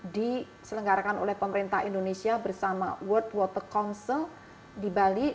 diselenggarakan oleh pemerintah indonesia bersama world water council di bali